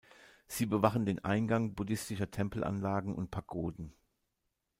Sie bewachen den Eingang buddhistischer Tempelanlagen und Pagoden.